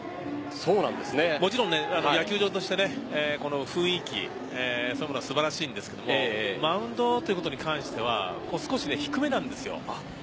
もちろん野球場としてこの雰囲気素晴らしいんですがマウンドということに関しては少し低めなんです。